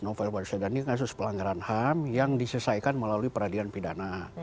nah itu adalah kasus novel basi ordan ini kasus pelanggaran ham yang diselesaikan melalui peradilan pidana